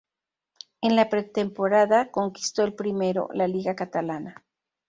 En la pretemporada conquistó el primero, la Lliga Catalana.